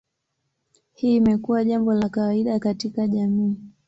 Hii imekuwa jambo la kawaida katika jamii.